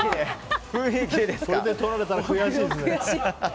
これでとられたら悔しいですね。